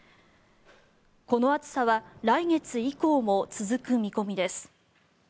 この暑さは来月以降も続く見込みです。